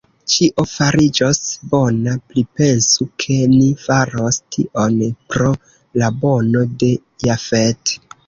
Ĉio fariĝos bona; pripensu, ke ni faros tion pro la bono de Jafet.